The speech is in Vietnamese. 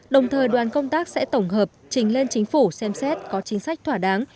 đồng thời đoàn công tác sẽ tổng hợp trình lên chính phủ xem xét có chính sách thỏa đáng